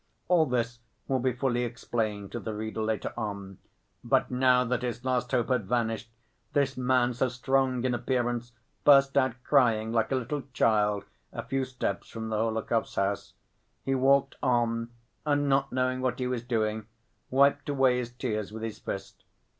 All this will be fully explained to the reader later on, but now that his last hope had vanished, this man, so strong in appearance, burst out crying like a little child a few steps from the Hohlakovs' house. He walked on, and not knowing what he was doing, wiped away his tears with his fist.